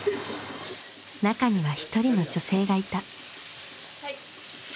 中には１人の女性がいた。